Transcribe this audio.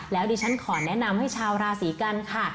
แล้วดิฉันขอแนะนำให้ชาวราศีกันค่ะ